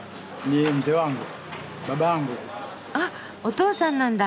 あっお父さんなんだ。